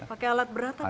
pakai alat berat apa pak